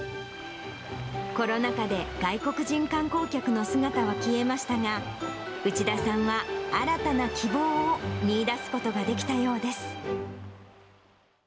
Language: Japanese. コロナ禍で、外国人観光客の姿は消えましたが、内田さんは新たな希望を見いだすことができたようです。